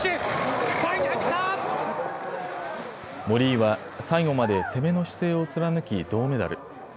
森井は最後まで攻めの姿勢を貫き銅メダル。